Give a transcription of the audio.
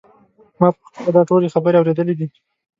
ما په خپله دا ټولې خبرې اورېدلې دي.